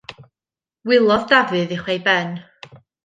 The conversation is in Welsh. Wylodd Dafydd uwch ei ben.